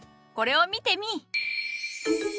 これを見てみぃ。